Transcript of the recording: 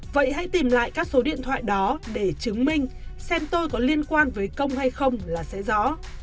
vậy hãy tìm lại các số điện thoại đó để chứng minh xem tôi có liên quan với công hay không là sẽ rõ